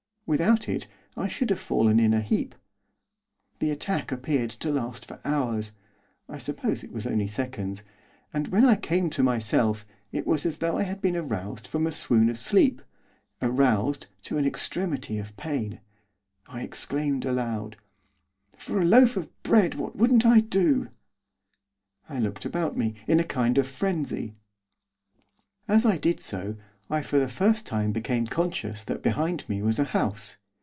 Without it I should have fallen in a heap. The attack appeared to last for hours; I suppose it was only seconds; and, when I came to myself, it was as though I had been aroused from a swoon of sleep, aroused, to an extremity of pain. I exclaimed aloud, 'For a loaf of bread what wouldn't I do!' I looked about me, in a kind of frenzy. As I did so I for the first time became conscious that behind me was a house.